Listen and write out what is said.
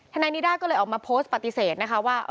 นายนิด้าก็เลยออกมาโพสต์ปฏิเสธนะคะว่า